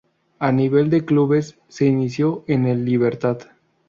A nivel de clubes se inició en el Libertad.